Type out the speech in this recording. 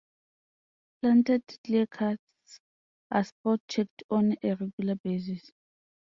Planted clearcuts are spot checked on a regular basis.